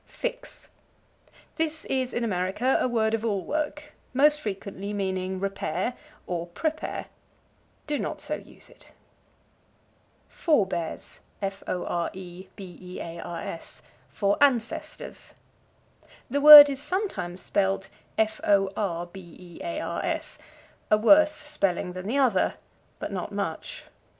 Fix. This is, in America, a word of all work, most frequently meaning repair, or prepare. Do not so use it. Forebears for Ancestors. The word is sometimes spelled forbears, a worse spelling than the other, but not much.